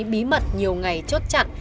bí mật nhiều ngày chốt chặn